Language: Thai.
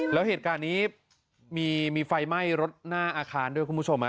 แล้วเหตุการณ์นี้มีไฟไหม้รถหน้าอาคารด้วยคุณผู้ชม